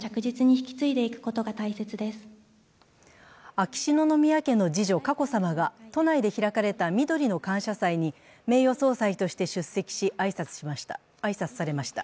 秋篠宮家の次女・佳子さまが都内で開かれたみどりの感謝祭に名誉総裁として出席し、挨拶されました。